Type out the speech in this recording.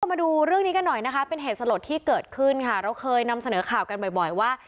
มาดูเรื่องนี้กันหน่อยนะคะเป็นเหตุสลดที่เกิดขึ้นค่ะเราเคยนำเสนอข่าวกันบ่อยว่า